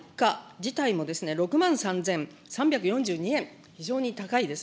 薬価自体も６万３３４２円、非常に高いです。